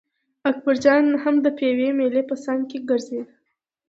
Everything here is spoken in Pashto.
اکبرجان هم د پېوې مېلې په څنګ کې ګرځېده.